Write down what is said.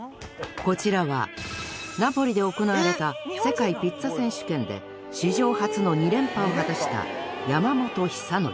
こちらはナポリで行われた世界ピッツァ選手権で史上初の２連覇を果たした山本尚徳。